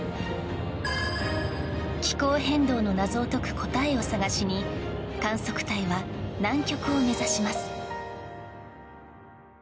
気候変動の謎を解く答えを探しに観測隊は南極を目指します。